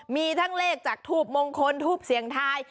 มีทั้งเลขจากทูบมงคลทูบเสียงทาย